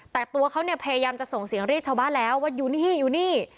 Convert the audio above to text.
แต่ตัวเขาเนี่ยพยายามจะส่งเสียงเรียกชาวบ้านแล้วว่าอยู่นี่อยู่นี่